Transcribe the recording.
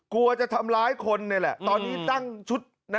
กลัวจะทำร้ายคนนี่แหละตอนนี้ตั้งชุดนะ